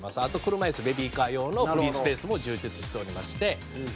「あと車椅子ベビーカー用のフリースペースも充実しておりまして」